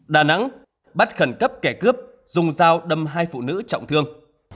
đà nẵng bắt khẩn cấp kẻ cướp dùng dao đâm hai phụ nữ trọng thương